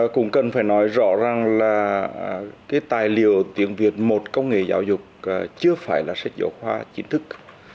cũng cần phải nói rõ rằng là cái tài liệu tiếng việt một công nghệ giáo dục chưa phải là sách giáo khoa chính thức